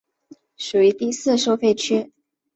属于第四收费区。